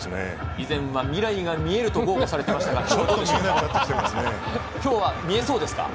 以前は未来が見えると豪語されていましたが、今日は見えそうですか？